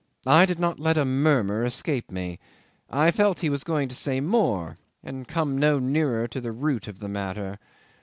I did not let a murmur escape me: I felt he was going to say more, and come no nearer to the root of the matter.